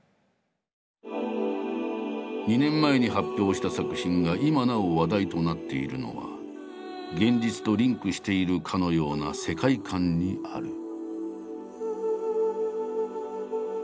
２年前に発表した作品が今なお話題となっているのは現実とリンクしているかのような世界観にある。